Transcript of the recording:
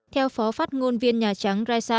theo phó phát ngôn viên nhà trắng